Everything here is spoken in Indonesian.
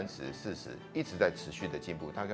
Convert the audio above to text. masih terus berkembang